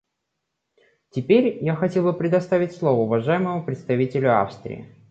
Теперь я хотел бы предоставить слово уважаемому представителю Австрии.